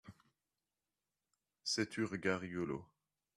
C'est ur gars rigolo.